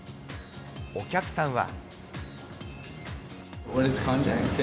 お客さんは。